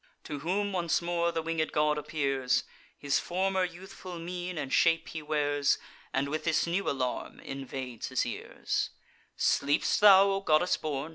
To whom once more the winged god appears; His former youthful mien and shape he wears, And with this new alarm invades his ears: "Sleep'st thou, O goddess born!